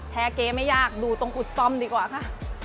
เก๊ไม่ยากดูตรงอุดซ่อมดีกว่าค่ะ